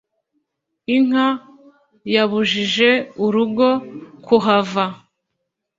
Inka yabujije urugo kuhava,